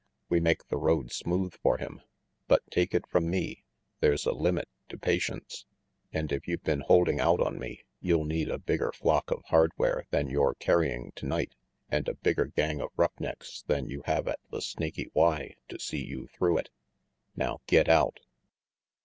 We make the road smooth for him; but take it from me, there's a limit to patience, and if you've been holding out on me, you'll need a bigger flock of hardware than you're carrying tonight, and a bigger gang of rough necks than you have at the Snaky Y to see you through it. Now, get out."